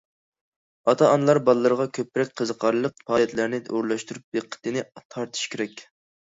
ئاتا- ئانىلار بالىلىرىغا كۆپرەك قىزىقارلىق پائالىيەتلەرنى ئورۇنلاشتۇرۇپ، دىققىتىنى تارتىشى كېرەك.